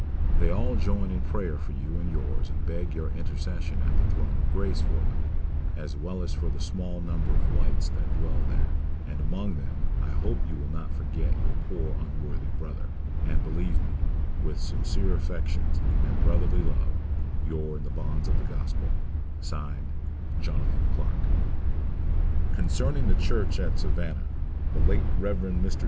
They all join in prayers for you and yours and beg your intercession at the throne of grace for them, as well as for the small number of whites that dwell here; and among them I hope you will not forget your poor unworthy brother, and believe me, with sincere affections and brotherly love, your in the bonds of the Gospel, (Signed) Jonathan Clarke Concerning the church at Savannah, the late Rev. Mr.